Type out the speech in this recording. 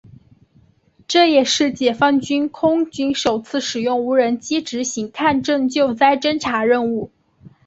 这也是解放军空军首次使用无人机执行抗震救灾侦察任务。